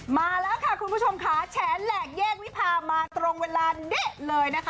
มาแล้วค่ะคุณผู้ชมค่ะแฉแหลกแยกวิพามาตรงเวลาเดะเลยนะคะ